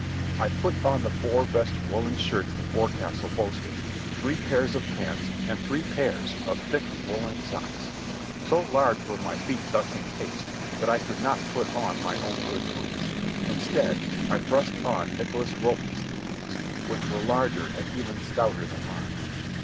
I put on the four best woollen shirts the forecastle boasted, three pairs of pants, and three pairs of thick woollen socks. So large were my feet thus incased that I could not put on my own good boots. Instead, I thrust on Nicholas Wilton's new boots, which were larger and even stouter than mine.